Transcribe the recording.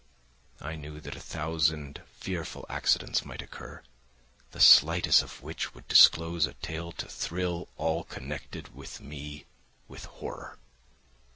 I knew that a thousand fearful accidents might occur, the slightest of which would disclose a tale to thrill all connected with me with horror.